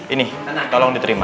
ini tolong diterima